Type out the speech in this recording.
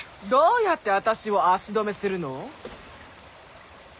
どうやってあたしを足止めするの？